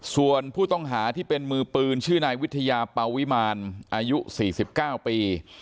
ส่วนผู้ต้องหาที่เป็นมือปืนชื่อนายวิทยาปาวิมารอายุ๔๙ปี